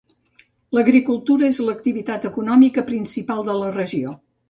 L'agricultura és l'activitat econòmica principal de la regió.